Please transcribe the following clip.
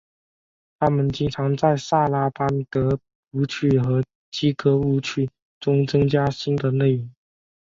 他们经常在萨拉班德舞曲和基格舞曲中增加新的内容。